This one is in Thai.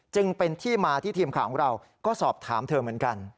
จึงเป็นที่มาที่ทีมข่าวของเราก็สอบถามเธอเหมือนกัน